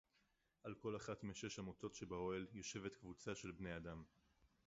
עַל כֹּל אַחַת מִשֵש הַמוֹטוֹת שֶבָּאוֹהֶל יוּשְבַּת קְבוּצָה שֶל בְּנֵי אָדָם